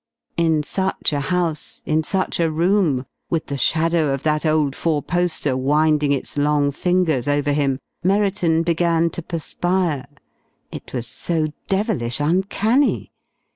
In such a house, in such a room, with the shadow of that old four poster winding its long fingers over him, Merriton began to perspire. It was so devilish uncanny!